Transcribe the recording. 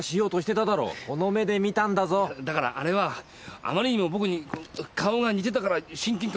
だからあれはあまりにも僕に顔が似てたから親近感を抱いて。